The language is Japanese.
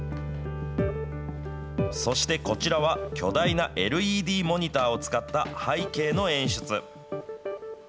そしてこちらは、巨大なＬＥＤモニターを使った背景の演出。